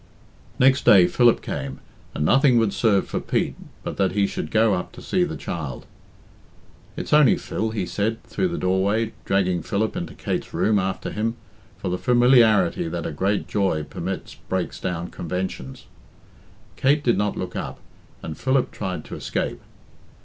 Next day Philip came, and nothing would serve for Pete but that he should go up to see the child. "It's only Phil," he said, through the doorway, dragging Philip into Kate's room after him, for the familiarity that a great joy permits breaks down conventions. Kate did not look up, and Philip tried to escape.